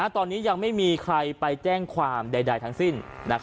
ตอนนี้ยังไม่มีใครไปแจ้งความใดทั้งสิ้น